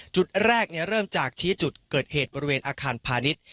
จุดแรกเริ่มจากชี้จุดเกิดเหตุบริเวณอาคารพาณิชย์